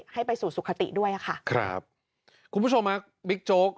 ให้ไปสู่สุขติด้วยอ่ะค่ะครับคุณผู้ชมฮะบิ๊กโจ๊ก